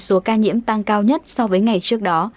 số ca nhiễm tăng cao nhất so với ngày trước đó